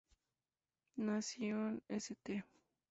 Nació en St.